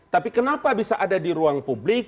tapi kenapa bisa ada di ruang publik